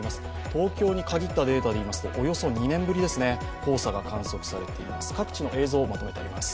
東京に限った例ですとおよそ２年ぶりですね、黄砂が観測されています。